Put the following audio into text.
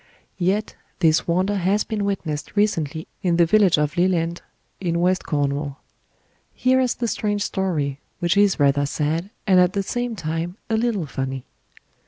Yet this wonder has been witnessed recently in the village of Lelant, in West Cornwall. Here is the strange story, which is rather sad and at the same time a little funny.